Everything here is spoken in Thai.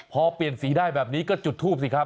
พอเปลี่ยนสีได้แบบนี้ก็จุดทูปสิครับ